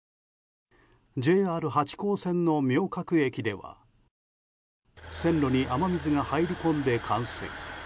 ＪＲ八高線の明覚駅では線路に雨水が入り込んで冠水。